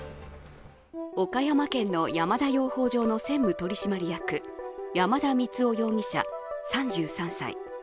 岡山県の山田養蜂場の専務取締役山田満生容疑者、３３歳。